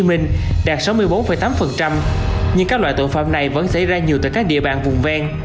minh đạt sáu mươi bốn tám nhưng các loại tội phạm này vẫn xảy ra nhiều tại các địa bàn vùng ven